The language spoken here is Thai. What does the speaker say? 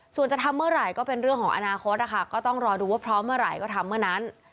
ส่วนจะทำเมื่อไหร่ก็เป็นเรื่องของอนาคตนะคะก็ต้องรอดูว่าพร้อมเมื่อไหร่ก็ทำเมื่อนั้น